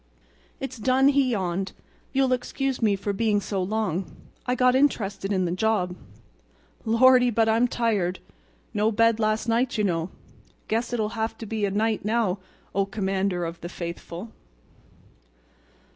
"It's done," he yawned. "You'll excuse me for being so long. I got interested in the job. Lordy! but I'm tired. No bed last night, you know. Guess it'll have to be good night now, O Commander of the Faithful!"